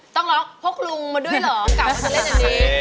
ต้องล็อกพวกลุงมาด้วยเหรอกะว่าจะเล่นอันนี้